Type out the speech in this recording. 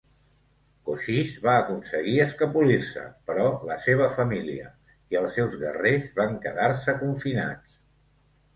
Cochise va aconseguir escapolir-se, però la seva família i els seus guerrers van quedar-se confinats.